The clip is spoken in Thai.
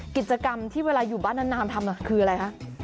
กิจกรรมที่เวลาอยู่บ้านนานทำคืออะไรคะ